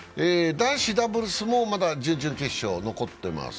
男子ダブルスもまだ準々決勝残ってます。